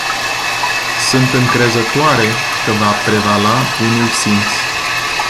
Sunt încrezătoare că va prevala bunul simț.